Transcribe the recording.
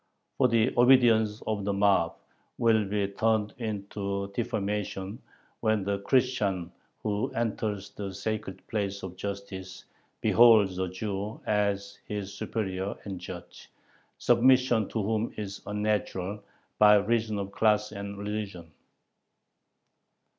"For the obedience of the mob will be turned into defamation when the Christian who enters the sacred place [of justice] beholds a Jew as his superior and judge, submission to whom is unnatural, by reason of class and religion."